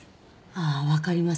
ああわかります。